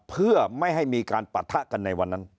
เพื่อไม่ให้มีการปะทะกันในวันนั้น